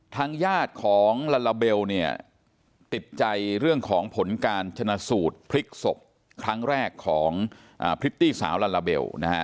ทางญาติของลาลาเบลเนี่ยติดใจเรื่องของผลการชนะสูตรพลิกศพครั้งแรกของพริตตี้สาวลาลาเบลนะฮะ